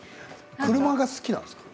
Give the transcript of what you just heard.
車が好きなんですか？